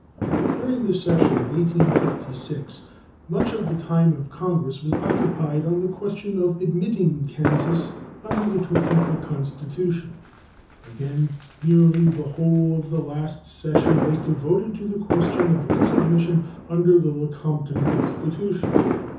During the session of 1856 much of the time of Congress was occupied on the question of admitting Kansas under the Topeka constitution. Again, nearly the whole of the last session was devoted to the question of its admission under the Lecompton constitution.